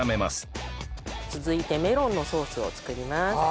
続いてメロンのソースを作ります。